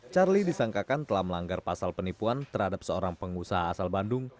charlie disangkakan telah melanggar pasal penipuan terhadap seorang pengusaha asal bandung